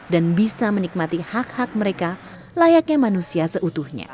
bisa menikmati hak hak mereka layaknya manusia seutuhnya